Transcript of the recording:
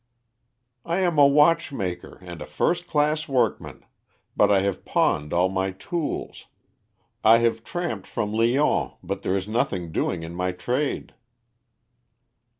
"I am a watchmaker and a first class workman, but I have pawned all my tools. I have tramped from Lyons, but there is nothing doing in my trade."